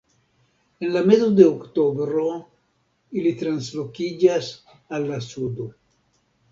En la mezo de oktobro ili translokiĝas al la sudo.